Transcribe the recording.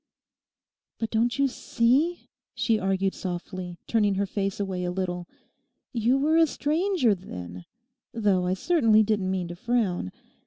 'But don't you see,' she argued softly, turning her face away a little, 'you were a stranger then (though I certainly didn't mean to frown).